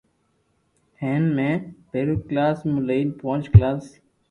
ھين ۾ پيرو ڪلاس مون لئين پونچ ڪلاس